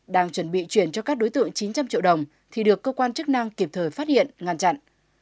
đang chuẩn bị chuyển cho các đối tượng chín trăm linh triệu đồng thì được cơ quan chức năng kịp thời phát hiện ngăn chặn